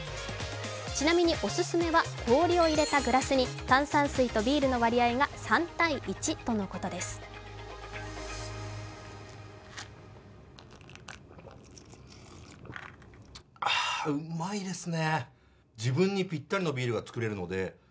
ちなみにお勧めは氷を入れたグラスに炭酸水とビールの割合が３：１とのことです。